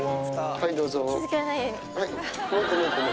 はい、どうぞ。